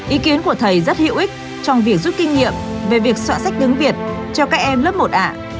ý kiến của thầy rất hữu ích trong việc rút kinh nghiệm về việc soạn sách tiếng việt cho các em lớp một a